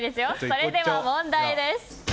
それでは問題です。